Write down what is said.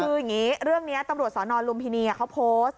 คืออย่างนี้เรื่องนี้ตำรวจสอนอนลุมพินีเขาโพสต์